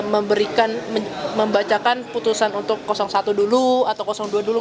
membacakan putusan untuk satu dulu atau dua dulu